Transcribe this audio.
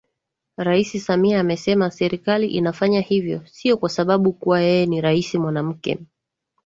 Rais Samia amesema Serikali inafanya hivyo sio kwasababu kuwa yeye ni Rais Mwanamke